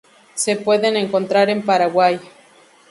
Se pueden encontrar en Paraguay.